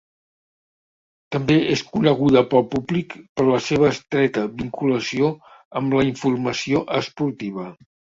També és coneguda pel públic per la seva estreta vinculació amb la informació esportiva.